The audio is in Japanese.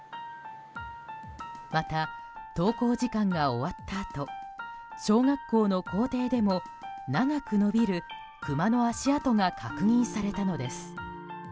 また、登校時間が終わったあと小学校の校庭でも長く延びるクマの足跡が確認されたのです。